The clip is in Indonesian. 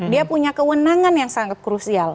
dia punya kewenangan yang sangat krusial